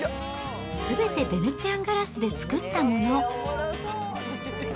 すべてヴェネツィアンガラスで作ったもの。